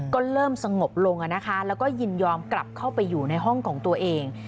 ก็เริ่มสงบลงแล้วก็ยินยอมกลับเข้าไปอยู่ในห้องของตัวเอง